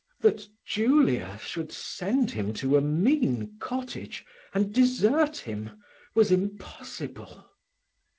That Julia should send him to a mean cottage, and desert him, was impossible.